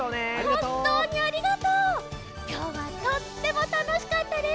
きょうはとってもたのしかったです。